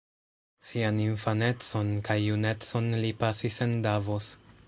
Sian infanecon kaj junecon li pasis en Davos.